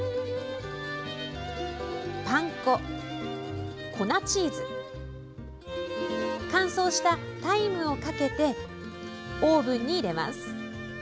パン粉、粉チーズ乾燥したタイムをかけてオーブンに入れます。